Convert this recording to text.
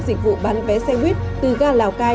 dịch vụ bán vé xe huyết từ gà lào cai